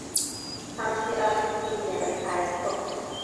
康熙二十七年裁撤。